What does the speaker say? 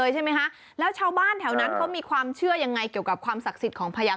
ใช่ไหมคะแล้วชาวบ้านแถวนั้นเขามีความเชื่อยังไงเกี่ยวกับความศักดิ์สิทธิ์ของพญา